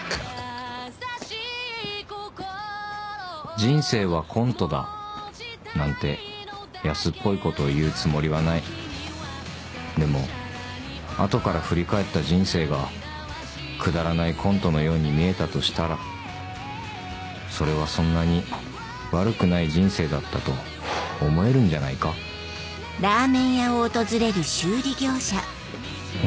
「人生はコントだ」なんて安っぽいことを言うつもりはないでも後から振り返った人生がくだらないコントのように見えたとしたらそれはそんなに悪くない人生だったと思えるんじゃないかガラガラガラガラ。